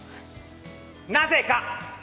なぜか？